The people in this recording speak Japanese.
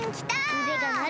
うでがなる！